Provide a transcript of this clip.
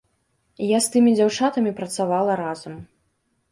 Я з тымі дзяўчатамі працавала разам.